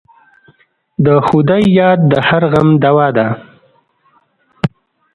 د خدای یاد د هر غم دوا ده.